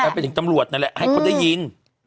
ไปถึงตำรวจนั่นแหละให้เขาได้ยิน